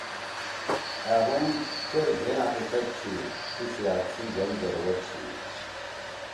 أ ہُم چیر گھین حقیقت چھی۔ ڇھی صحت سی گھین ضرورت چھی۔